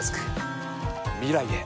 未来へ。